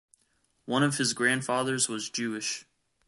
One of his grandfathers was Jewish.